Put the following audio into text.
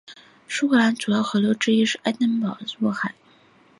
苏格兰主要河流之一的福斯河发源于境内并东向爱丁堡入海。